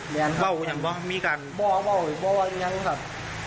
แล้วครับเป้าอย่างบ้างมีการบ่าเป้าอย่างบ่าอย่างงั้นครับ